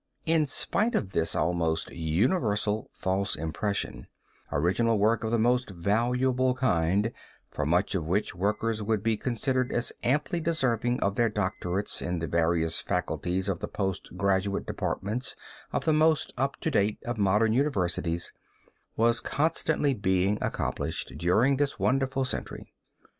In spite of this almost universal false impression, original work of the most valuable kind, for much of which workers would be considered as amply deserving of their doctorates in the various faculties of the post graduate departments of the most up to date of modern universities, was constantly being accomplished during this wonderful century.